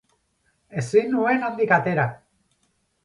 Ezin nuen handik atera.